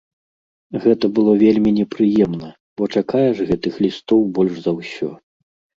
Гэта было вельмі непрыемна, бо чакаеш гэтых лістоў больш за ўсё.